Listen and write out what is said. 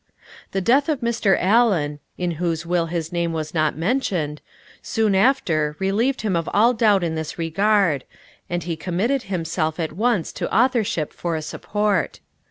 The death of Mr. Allan, in whose will his name was not mentioned, soon after relieved him of all doubt in this regard, and he committed himself at once to authorship for a support.